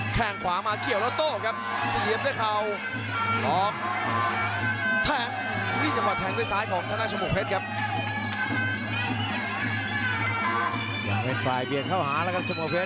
อยากให้จบชีวิตเข้าหานะครับทีมบริเวุร์ด